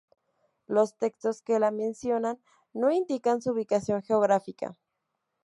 Los textos que la mencionan no indican su ubicación geográfica.